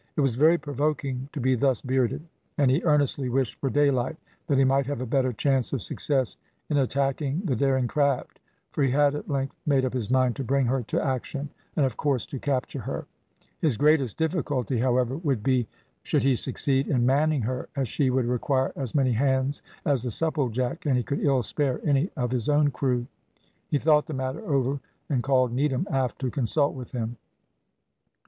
It was very provoking to be thus bearded, and he earnestly wished for daylight that he might have a better chance of success in attacking the daring craft, for he had at length made up his mind to bring her to action, and of course to capture her. His greatest difficulty, however, would be, should he succeed, in manning her, as she would require as many hands as the Supplejack, and he could ill spare any of his own crew; he thought the matter over, and called Needham aft to consult with him.